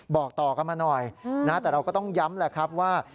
บอกต่อกันมาหน่อยนะแต่เราก็ต้องย้ำแหละครับว่า